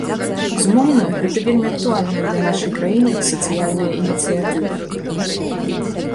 Безумоўна, гэта вельмі актуальная для нашай краіны сацыяльная ініцыятыва.